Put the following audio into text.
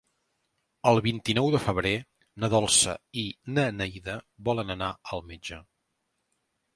El vint-i-nou de febrer na Dolça i na Neida volen anar al metge.